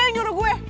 dia yang nyuruh gue